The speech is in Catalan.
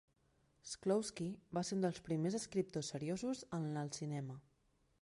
Shklovsky va ser un dels primers escriptors seriosos en el cinema.